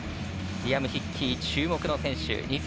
リアム・ヒッキー、注目の選手。